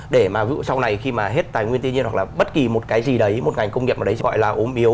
để mà sau này khi mà hết tài nguyên thiên nhiên hoặc là bất kỳ một cái gì đấy một ngành công nghiệp nào đấy gọi là ốm yếu